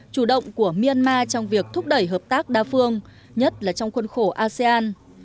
chủ động của myanmar trong việc thúc đẩy hợp tác đa phương nhất là trong khuôn khổ asean